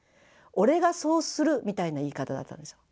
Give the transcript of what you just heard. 俺がそうするみたいな言い方だったんですよ。